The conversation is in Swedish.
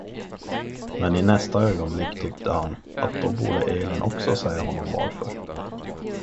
Men i nästa ögonblick tyckte han, att då borde Elin också säga honom varför.